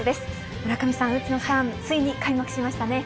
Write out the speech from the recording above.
村上さん、内野さんついに開幕しましたね。